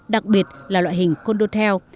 đặc biệt là loại hình condotel